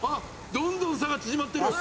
どんどん差が縮まってる。